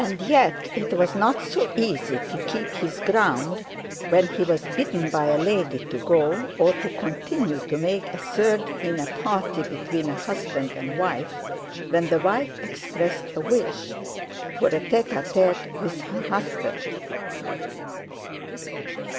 And yet it was not so easy to keep his ground when he was bidden by a lady to go; or to continue to make a third in a party between husband and wife when the wife expressed a wish for a tete a tete with her husband.